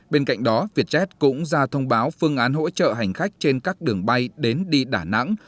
bên cạnh đó vietjet cũng ra thông báo phương án hỗ trợ hành khách trên các đường bay đến đi đà nẵng